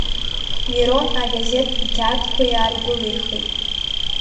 Мирон агазеҭ иқьаадқәа иааргәылихит.